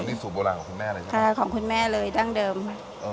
นี่สูตรโบราณของคุณแม่เลยใช่ไหมใช่ของคุณแม่เลยดั้งเดิมค่ะ